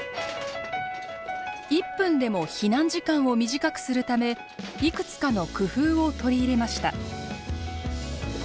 １分でも避難時間を短くするためいくつかの工夫を取り入れました。